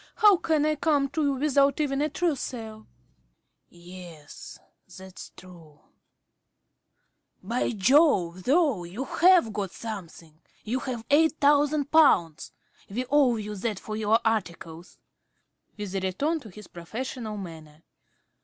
How can I come to you without even a trousseau? ~Smith.~ Yes, that's true.... (Suddenly) By Jove, though, you have got something! You have eight thousand pounds! We owe you that for your articles. (_With a return to his professional manner.